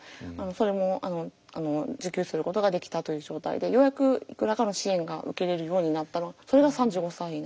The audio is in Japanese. それも受給することができたという状態でようやくいくらかの支援が受けれるようになったのがそれが３５歳なんですよね。